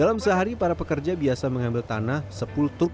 wah debunya masuk hidung